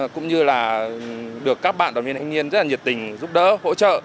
cũng như là được các bạn đoàn viên thanh niên rất là nhiệt tình giúp đỡ hỗ trợ